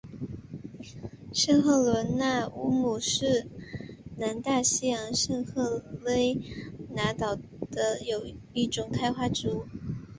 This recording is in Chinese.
圣赫伦那乌木是南大西洋圣赫勒拿岛特有的一种开花植物。